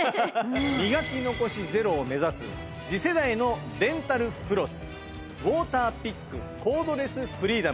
磨き残しゼロを目指す次世代のデンタルフロスウォーターピックコードレスフリーダム。